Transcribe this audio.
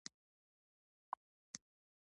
د کندز خربوزې څومره خوږې دي؟